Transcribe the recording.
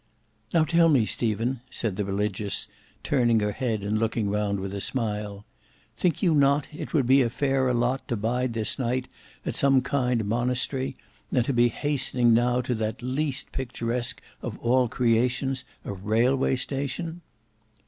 "Now, tell me, Stephen," said the Religious, turning her head and looking round with a smile, "think you not it would be a fairer lot to bide this night at some kind monastery, than to be hastening now to that least picturesque of all creations, a railway station."